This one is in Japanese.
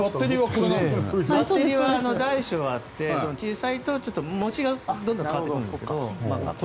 バッテリーは大小あって小さいと持ちがどんどん変わっていく。